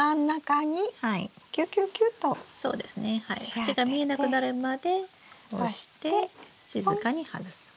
口が見えなくなるまで押して静かに外す。